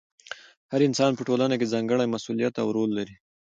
هر انسان په ټولنه کې ځانګړی مسؤلیت او رول لري.